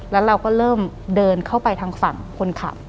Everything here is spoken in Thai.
แล้วเราก็เริ่มเดินเข้าไปทางฝั่งคนขับ